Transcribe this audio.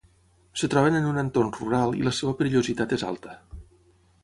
Es troben en un entorn rural i la seua perillositat és alta.